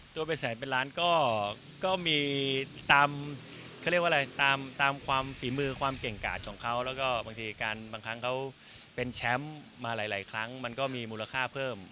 ตัวเป็นแสนเป็นล้านก็มีตามเขาเรียกว่าอะไรตามความฝีมือความเก่งกาดของเขาแล้วก็บางทีการบางครั้งเขาเป็นแชมป์มาหลายครั้งมันก็มีมูลค่าเพิ่ม